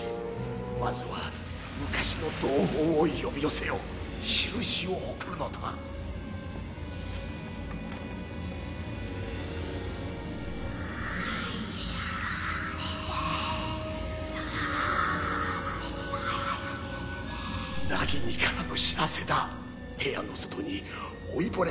まずは昔の同胞を呼び寄せよ「印」を送るのだナギニからの知らせだ部屋の外に老いぼれ